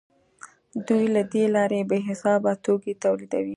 دوی له دې لارې بې حسابه توکي تولیدوي